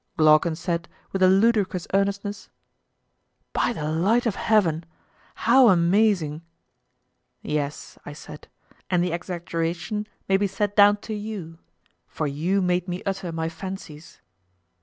Glaucon said, with a ludicrous earnestness: By the light of heaven, how amazing! Yes, I said, and the exaggeration may be set down to you; for you made me utter my fancies.